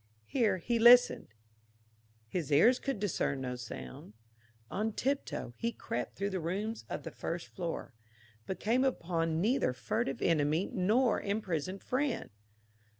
Here he listened; his ears could discern no sound. On tiptoe he crept through the rooms of the first floor but came upon neither furtive enemy nor imprisoned friend.